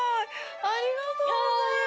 ありがとうございます